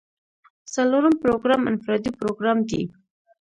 څلورم پروګرام انفرادي پروګرام دی.